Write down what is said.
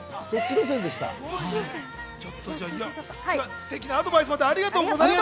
ステキなアドバイスありがとうございました。